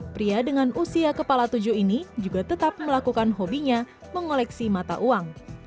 pria dengan usia kepala tujuh ini juga tetap melakukan hobinya mengoleksi mata uang